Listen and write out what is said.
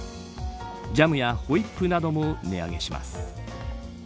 ジャムやホイップなども値上げします。